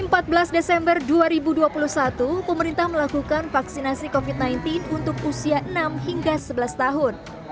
pada empat belas desember dua ribu dua puluh satu pemerintah melakukan vaksinasi covid sembilan belas untuk usia enam hingga sebelas tahun